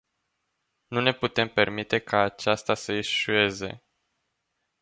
Nu ne putem permite ca aceasta să eșueze.